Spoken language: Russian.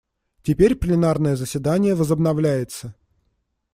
Теперь пленарное заседание возобновляется.